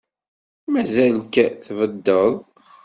Mazal-k tbeddeḍ?